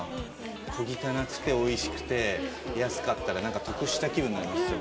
小汚くて美味しくて安かったらなんか得した気分になりますよ。